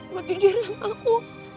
buat jujur sama aku